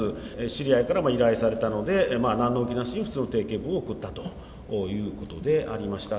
知り合いから依頼されたので、なんの気なしに普通の定型文を送ったということでありました。